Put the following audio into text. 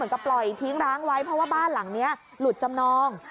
ก็ปล่อยทิ้งร้างไว้เพราะว่าบ้านหลังนี้หลุดจำนอง